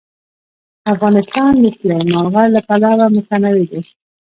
افغانستان د سلیمان غر له پلوه متنوع دی.